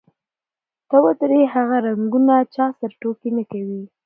ته ودرې، هغه رنګونه چا سره ټوکې نه کوي.